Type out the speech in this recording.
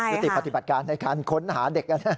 ยุติปฏิบัติการในการค้นหาเด็ก